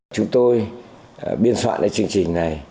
chúng tôi biên soạn chương trình này